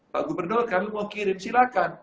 pak gubernur kami mau kirim silahkan